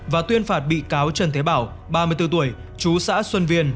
và tuyên phạt bị cáo trần thế bảo ba mươi bốn tuổi chú xã xuân viên